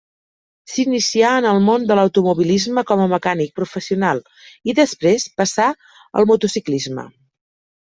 S'inicià en el món de l'automobilisme com a mecànic professional i després passà al motociclisme.